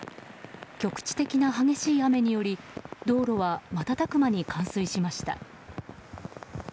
局地的な激しい雨により道路は瞬く間に冠水しました。